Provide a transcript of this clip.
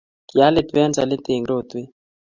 kialit penselit eng rotwee